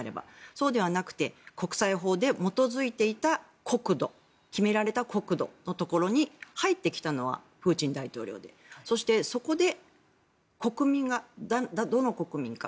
そうではなくて国際法に基づいていた国土決められた国土のところに入ってきたのはプーチン大統領でそして、そこで国民はどの国民か。